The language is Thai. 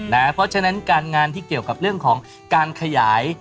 เพราะฉะนั้นการงานที่เกี่ยวกับเรื่องของการขยาย